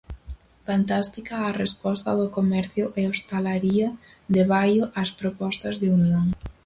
Fantástica a resposta do comercio e hostalería de Baio ás propostas de unión.